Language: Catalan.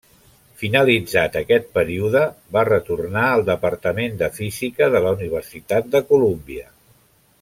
Finalitzat aquest període va retornar al Departament de Física de la Universitat de Colúmbia.